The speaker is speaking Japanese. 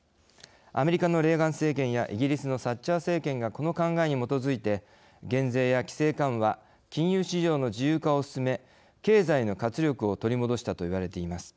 アメリカのレーガン政権やイギリスのサッチャー政権がこの考えに基づいて減税や、規制緩和金融市場の自由化を進め経済の活力を取り戻したといわれています。